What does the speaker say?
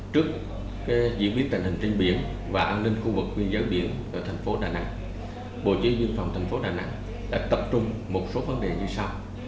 trước diễn biến tình hình trên biển và an ninh khu vực nguyên giới biển ở tp đà nẵng bộ chí viên phòng tp đà nẵng đã tập trung một số vấn đề như sau